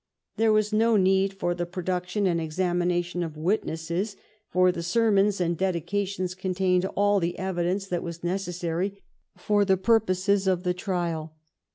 There was no need for the production and examination of witnesses, for the sermons and dedications contained all the evi dence that was necessary for the purposes of the trial.